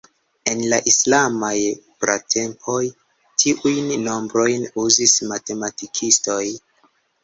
En la islamaj pratempoj, tiujn nombrojn uzis matematikistoj.